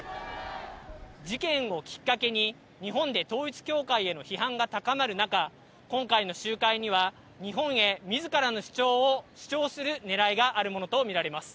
事件をきっかけに、日本で統一教会への批判が高まる中、今回の集会には日本へみずからの主張を主張するねらいがあるものと見られます。